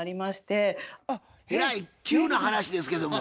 えらい急な話ですけども。